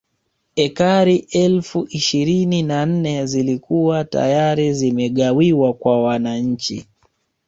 Ekari elfu ishirini na nne zilikuwa tayari zimegawiwa kwa wananchi